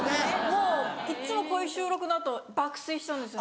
もういっつもこういう収録の後爆睡しちゃうんですよ。